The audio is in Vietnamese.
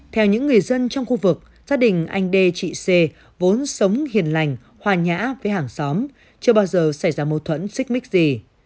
theo những người dân trong khu vực gia đình anh đê chị xê vốn sống hiền lành hòa nhã với hàng xóm chưa bao giờ xảy ra mâu thuẫn xích mích gì